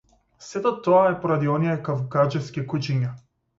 Сето тоа е поради оние кавгаџиски кучиња.